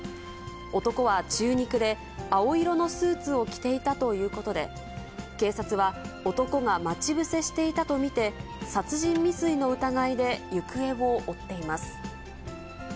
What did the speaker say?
男は中肉で、青色のスーツを着ていたということで、警察は男が待ち伏せしていたと見て、殺人未遂の疑いで行方を追っています。